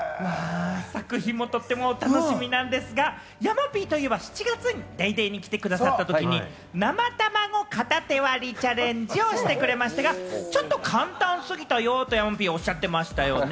作品もとっても楽しみなんですが、山Ｐといえば、７月に『ＤａｙＤａｙ．』に来てくださったときに、生たまご片手割りチャレンジをしてくれましたが、ちょっと簡単すぎたよと山Ｐをおっしゃってましたね。